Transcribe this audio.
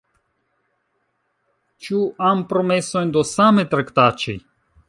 Ĉu ampromesojn do same traktaĉi?